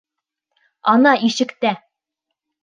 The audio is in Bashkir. Ана, ишектә!